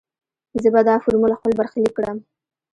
زه به دا فورمول خپل برخليک کړم.